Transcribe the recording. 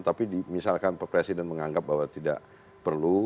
tapi misalkan presiden menganggap bahwa tidak perlu